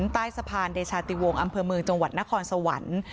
ใต้สะพานเดชาติวงศ์อำเภอเมืองจังหวัดนครสวรรค์